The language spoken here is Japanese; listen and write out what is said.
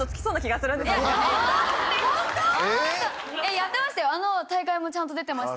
やってましたよ！